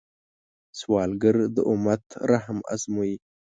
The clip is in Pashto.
سوالګر د امت رحم ازمويي